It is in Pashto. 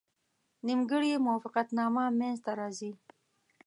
نیمګړې موافقتنامه منځته راځي.